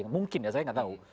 mungkin ya saya nggak tahu